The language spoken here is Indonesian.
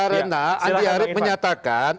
karena andi harip menyatakan